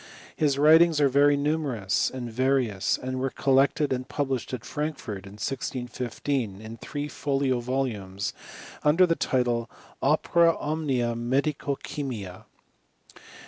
His writings are very numerous and various, and were collected and published at Frankfort, in 1615, in three folio volumes, under the title of " Opera omnia Medico chymica."